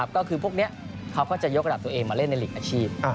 ก็คือพวกนี้เขาก็จะยกระดับตัวเองมาเล่นในหลีกอาชีพ